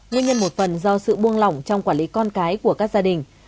nguyên nhân một phần do sự buông lỏng trong quản lý con cái của các gia đình